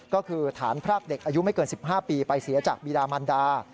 ก็คือฐานพรากเด็กอายุไม่เกิน๑๕ปีไปเสียจากบีดามันดา